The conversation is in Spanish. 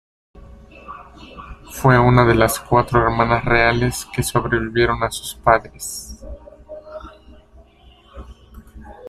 Fue una de las cuatro hermanas reales que sobrevivieron a sus padres.